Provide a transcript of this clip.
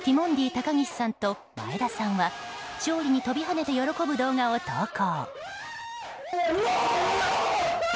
高岸さんと前田さんは勝利に飛び跳ねて喜ぶ動画を投稿。